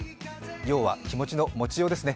要は気持ちの持ちようですね。